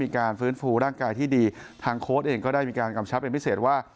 การฟื้นฟูร่างกายที่ดีทางโค้ดเองก็ได้มีการกำชับเป็นพิเศษว่า